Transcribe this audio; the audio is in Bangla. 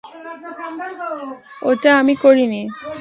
ওটা আমি করিনি!